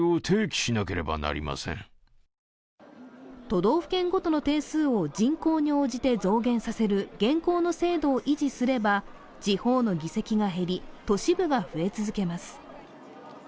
都道府県ごとの定数を人口に応じて増減させる現行の制度を維持すれば地方の議席が減り都市部が増え続けます。